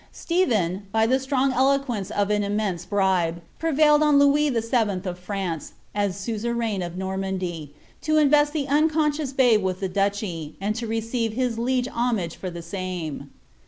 Stephen, by the strong eloquence of an immense bribe, prevailed on Louis VII. of France, as suzerain of Normandy, to invest the unconscious babe with the duchy, and to receive his liege homage for the same.'